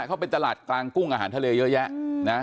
เขาเป็นตลาดกลางกุ้งอาหารทะเลเยอะแยะนะ